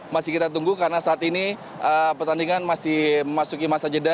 masih kita tunggu karena saat ini pertandingan masih memasuki masa jeda